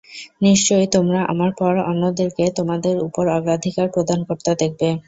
নিশ্চয় তোমরা আমার পর অন্যদেরকে তোমাদের উপর অগ্রাধিকার প্রদান করতে দেখবে।